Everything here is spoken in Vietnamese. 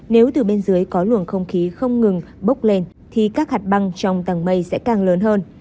nếu từ bên dưới có luồng không khí không ngừng bốc lên thì các hạt băng trong tầng mây sẽ càng lớn hơn